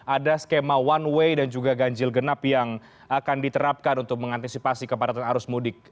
ada skema one way dan juga ganjil genap yang akan diterapkan untuk mengantisipasi kepadatan arus mudik